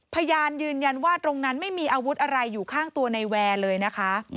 พยานยืนยันว่าตรงนั้นไม่มีอาวุธอะไรอยู่ข้างตัวในแวร์เลยนะคะ